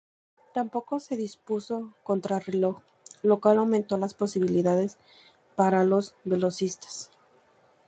Tampoco se disputó contrarreloj, lo cual aumentó las posibilidades para los velocistas.